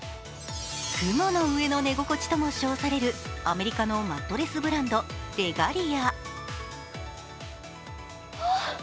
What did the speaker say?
雲の上の寝心地とも称されるアメリカのマットレスブランド・レガリア。